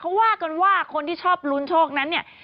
เขาว่ากันว่าคนที่ชอบลุ้นโชคนั้นเนี่ย